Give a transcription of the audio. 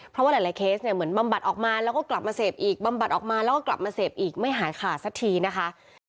เพราะว่าหลายเคสเนี่ยเหมือนบำบัดออกมาแล้วก็กลับมาเสพอีกบำบัดออกมาแล้วก็กลับมาเสพอีกไม่หายขาดสักทีนะคะ